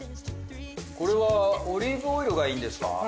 これはオリーブオイルがいいんですか？